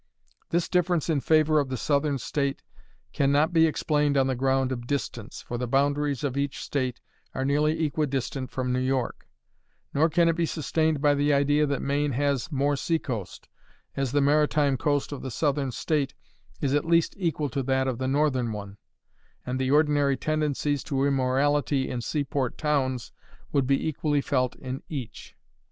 This difference in favor of the southern state can not be explained on the ground of distance, for the boundaries of each state are nearly equidistant from New York; nor can it be sustained by the idea that Maine has more sea coast, as the maritime coast of the southern state is at least equal to that of the northern one, and the ordinary tendencies to immorality in sea port towns would be equally felt in each.